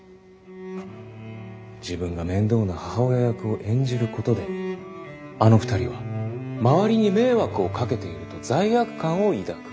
自分が面倒な母親役を演じることであの２人は周りに迷惑をかけていると罪悪感を抱く。